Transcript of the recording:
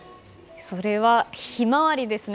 それは、「ひまわり」ですね。